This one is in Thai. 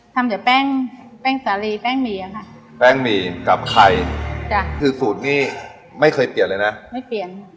ทำจากแป้งแป้งสาลีแป้งหมี่อ่ะค่ะแป้งหมี่กับไข่จ้ะคือสูตรนี้ไม่เคยเปลี่ยนเลยนะไม่เปลี่ยน